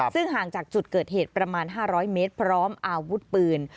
ซึ่งห่างจากจุดเกิดเหตุประมาณ๕๐๐เมตรพร้อมอาวุธปืน